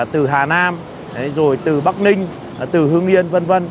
từ hà nam rồi từ bắc ninh từ hương yên v v